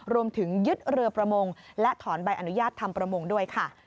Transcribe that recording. รวมถึงยึดเรือประมงและถอนใบอนุญาตทำประมงด้วยค่ะ